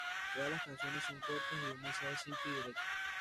Todas las canciones son cortas y de un mensaje simple y directo.